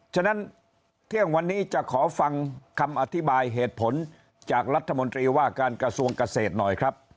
ฉะนั้นเที่ยงวันนี้จะขอฟังคำอธิบายเหตุผลจากรัฐมนตรีว่าการกระทรวงเกษตรหน่อยครับ